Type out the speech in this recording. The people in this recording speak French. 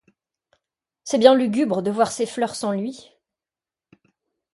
C’est bien lugubre de voir ses fleurs sans lui !